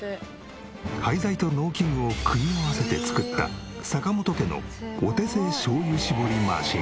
廃材と農機具を組み合わせて作った坂本家のお手製しょうゆ搾りマシン。